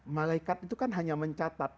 malaikat itu kan hanya mencatat